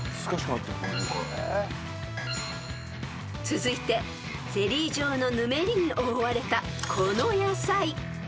［続いてゼリー状のぬめりに覆われたこの野菜］